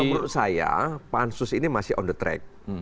kalau menurut saya pak ansus ini masih on the track